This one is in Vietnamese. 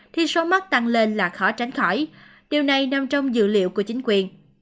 thì số mắc tăng lên là khó tránh khỏi điều này nằm trong dự liệu của chính quyền